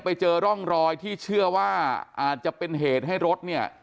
ไปเจอร่องรอยที่เชื่อว่าอาจจะเป็นเหตุให้รถเนี่ย